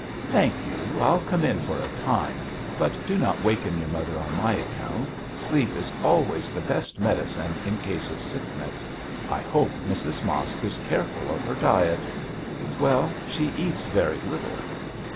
'Thank you, I'll come in for a time, but do not waken your mother on my account. Sleep is always the best medicine in case of sickness. I hope Mrs Mosk is careful of her diet.' 'Well, she eats very little.'